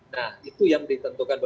nah itu yang ditentukan